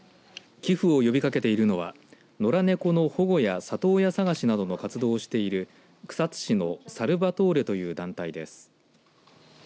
寄付を呼びかけているのは野良猫の保護や里親探しなどの活動をしている草津市のサルヴァトーレという団体です。